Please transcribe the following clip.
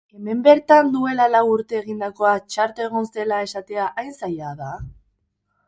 Hemen bertan duela lau urte egindakoa txarto egon zela esatea hain zaila da?